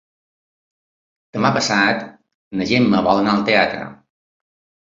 Demà passat na Gemma vol anar al teatre.